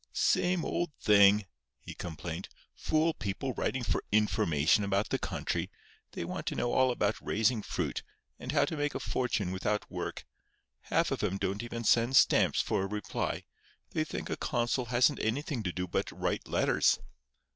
"Same old thing!" he complained. "Fool people writing for information about the country. They want to know all about raising fruit, and how to make a fortune without work. Half of 'em don't even send stamps for a reply. They think a consul hasn't anything to do but write letters.